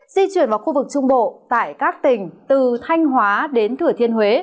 di chuyển vào khu vực trung bộ tại các tỉnh từ thanh hóa đến thửa thiên huế